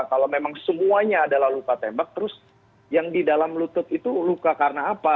kalau memang semuanya adalah luka tembak terus yang di dalam lutut itu luka karena apa